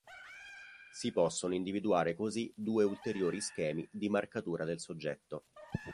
Si possono individuare così due ulteriori schemi di marcatura del soggetto.